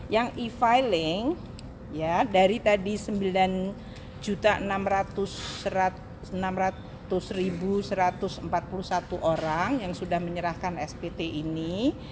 yang e filing dari tadi sembilan enam ratus satu ratus empat puluh satu orang yang sudah menyerahkan spt ini